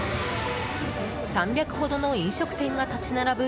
３００ほどの飲食店が立ち並ぶ